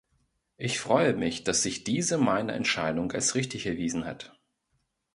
Ich freue mich, dass sich diese meine Entscheidung als richtig erwiesen hat.